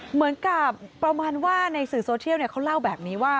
เหมือนกับประมาณว่าในสื่อโซเทียลเขาเล่าแบบนี้ว่า